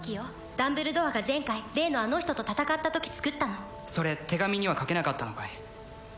ダンブルドアが前回例のあの人と戦った時作ったのそれ手紙には書けなかったのかい？